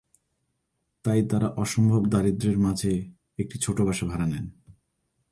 তাই তারা অসম্ভব দারিদ্র্যের মাঝে একটি ছোট বাসা ভাড়া নেন।